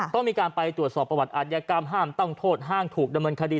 ต้องมีการไปตรวจสอบประวัติอาทยากรรมห้ามต้องโทษห้ามถูกดำเนินคดี